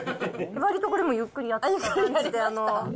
わりとこれもゆっくりやった。